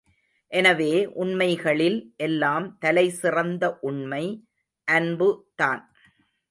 எனவே, உண்மைகளில் எல்லாம் தலை சிறந்த உண்மை அன்பு தான்.